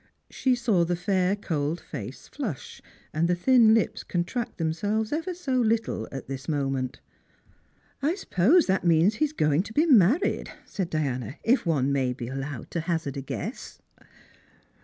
She saw the fair cold face flush, and the thin lips con tract themselves ever so little at this moment. " I suppose that means that he is going to be married," said Diana; " if one may be allowed to hazard a guess."